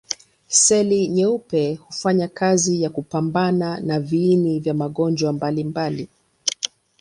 Seli nyeupe hufanya kazi ya kupambana na viini vya magonjwa mbalimbali.